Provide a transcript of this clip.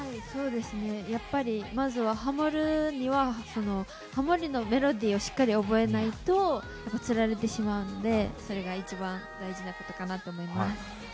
やっぱり、まずはハモるには、ハモリのメロディーをしっかり覚えないと、つられてしまうので、それが一番大事なことかなと思います。